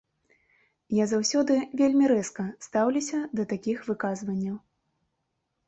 Я заўсёды вельмі рэзка стаўлюся да такіх выказванняў.